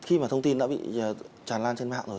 khi mà thông tin đã bị tràn lan trên mạng rồi